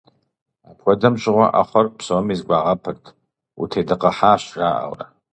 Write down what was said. Апхуэдэм щыгъуэ Ӏэхъуэр псоми зэгуагъэпырт: «Утедыкъыхьащ», - жаӀэурэ.